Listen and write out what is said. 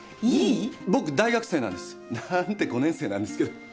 僕大学生なんです。なんて５年生なんですけど。